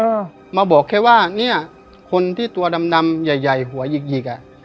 เอ่อมาบอกแค่ว่านี่คนที่ตัวดำใหญ่หัวหญิกหญิกน่ะ